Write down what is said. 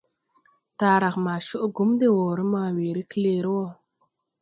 Taarag ma cugum de wɔɔre ma weere lɛkɔl wɔ.